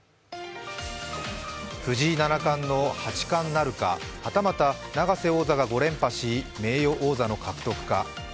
藤井七冠の八冠なるか、はたまた永瀬王座が５連覇し、名誉王座獲得か。